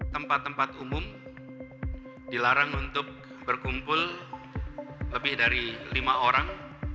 tempat tempat umum dilarang untuk berkumpul lebih dari lima orang